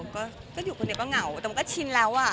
ก็อยู่กันนะก็เหงาแต่ก็ชิ้นแล้วอ่ะ